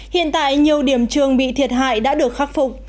hiện tại nhiều điểm trường bị thiệt hại đã được khắc phục